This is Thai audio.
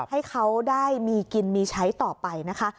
ให้เขาได้มีกินมีใช้ต่อไปนะคะ